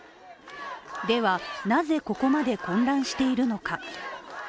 では、なぜここまで混乱しているのか。